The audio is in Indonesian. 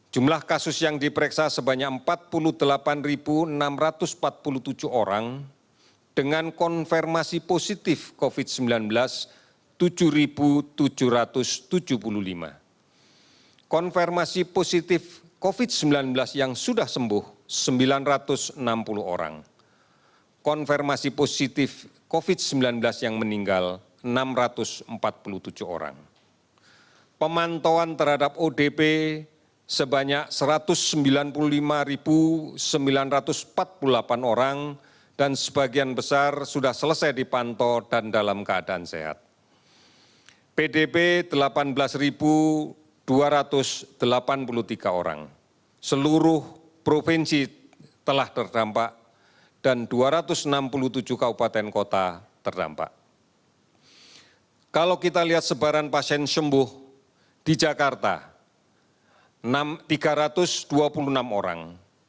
jumlah kasus yang diperiksa sebanyak empat puluh delapan enam ratus empat puluh tujuh orang